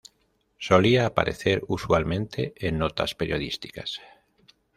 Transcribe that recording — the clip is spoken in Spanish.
Solía aparecer usualmente en notas periodísticas.